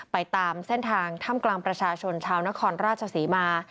ตามเส้นทางถ้ำกลางประชาชนชาวนครราชศรีมา